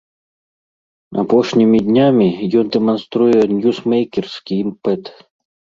Апошнімі днямі ён дэманструе ньюсмэйкерскі імпэт.